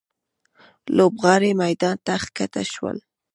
لوبغاړي میدان ته ښکته شول.